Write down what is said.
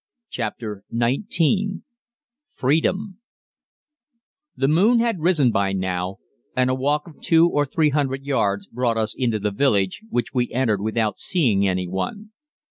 CHAPTER XIX FREEDOM The moon had risen by now, and a walk of two or three hundred yards brought us into the village, which we entered without seeing any one.